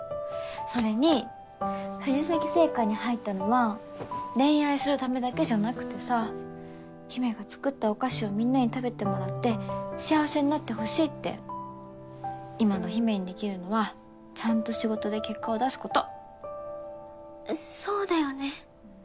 それに富士崎製菓に入ったのは恋愛するためだけじゃなくてさ陽芽が作ったお菓子をみんなに食べてもらって幸せになってほしいって今の陽芽にできるのはちゃんと仕事で結果を出すことそうだよね